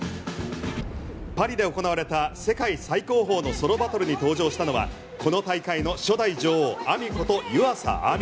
パリで行われた世界最高峰のソロバトルに登場したのはこの大会の初代女王Ａｍｉこと湯浅亜美。